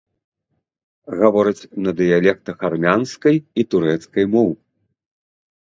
Гавораць на дыялектах армянскай і турэцкай моў.